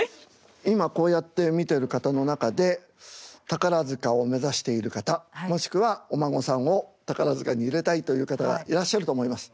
今こうやって見てる方の中で宝塚を目指している方もしくはお孫さんを宝塚に入れたいという方がいらっしゃると思います。